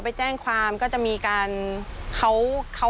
ไปแจ้งความก็จะมีการเขา